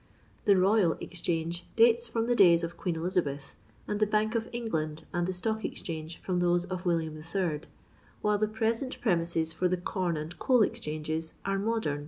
The Royal Exchange dates from the days of Queen Elizabeth, and the Bank of England and the Stock Exchange from those of William III., while the present pre mises for the Com and Coal Exchanges are modem.